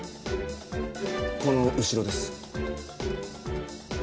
この後ろです。